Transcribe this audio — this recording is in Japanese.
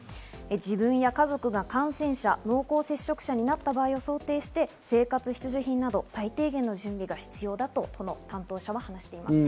自分や家族が感染者・濃厚接触者になった場合を想定して、生活必需品など最低限の準備が必要だと都の担当者は話しています。